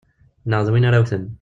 Neɣ d win ara wten.